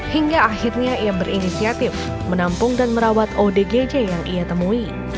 hingga akhirnya ia berinisiatif menampung dan merawat odgj yang ia temui